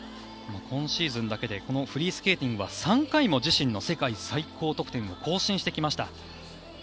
今シーズンだけでこのフリースケーティングは３回も自身の世界最高得点を更新してきました。